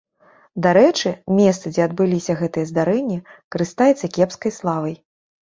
Дарэчы, месца, дзе адбыліся гэтыя здарэнні, карыстаецца кепскай славай.